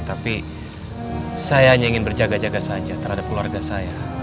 tapi saya hanya ingin berjaga jaga saja terhadap keluarga saya